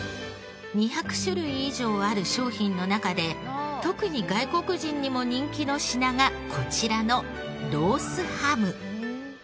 ２００種類以上ある商品の中で特に外国人にも人気の品がこちらのロースハム。